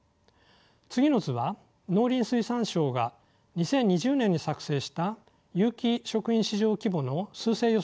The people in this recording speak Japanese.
次の図は農林水産省が２０２０年に作成した有機食品市場規模のすう勢予測です。